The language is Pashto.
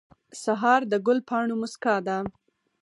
سهار د ګل پاڼو موسکا ده.